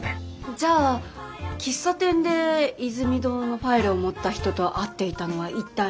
じゃあ喫茶店でイズミ堂のファイルを持った人と会っていたのは一体。